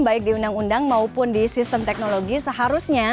baik di undang undang maupun di sistem teknologi seharusnya